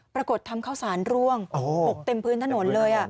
ปรากฏทำข้าวสารร่วงอกเต็มพื้นถนนเลย